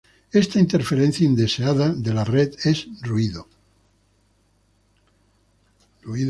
Esta interferencia indeseada de la red es ruido.